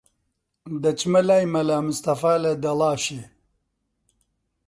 دەچمە لای مەلا مستەفا لە دەڵاشێ